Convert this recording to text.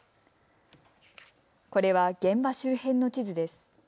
これは現場周辺の地図です。